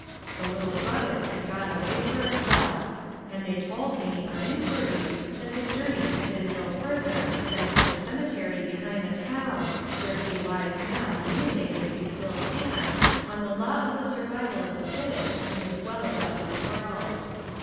The little druggist had gone away for a spell. And they told me, on enquiry, that his journey had been no further than to the cemetery behind the town where he lies now, musing, if he still can, on the law of the survival of the fittest in this well adjusted world.